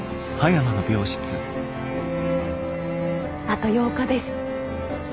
あと８日です。